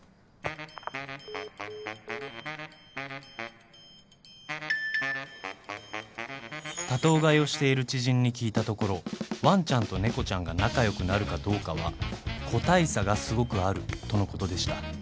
ブチッツーツーツー「多頭飼いをしている知人に聞いたところワンちゃんと猫ちゃんが仲良くなるかどうかは個体差がすごくあるとのことでした」。